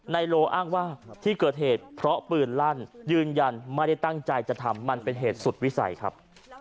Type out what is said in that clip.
นายโลอ้างว่าที่เกิดเหตุเพราะปืนลั่นยืนยันไม่ได้ตั้งใจจะทำมันเป็นเหตุสุดวิสัยครับ